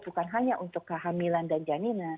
bukan hanya untuk kehamilan dan jaminan